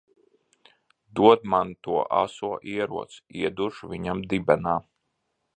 Dod man to aso ieroci, ieduršu viņam dibenā!